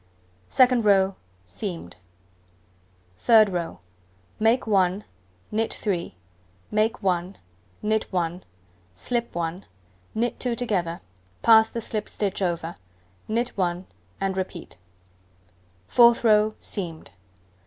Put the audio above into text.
Second row: Seamed. Third row: Make 1, knit 3, make 1, knit 1, slip 1, knit 2 together, pass the slipped stitch over, knit 1, and repeat. Fourth row: Seamed.